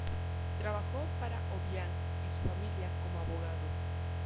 Trabajó para Obiang y su familia como abogado.